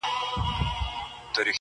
• د شنو خالونو د ټومبلو کيسه ختمه نه ده.